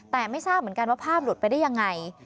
แต่ไม่ทราบเหมือนกันว่าภาพหลุดไปได้ยังไง